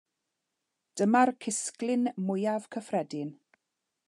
Dyma'r cysglyn mwyaf cyffredin.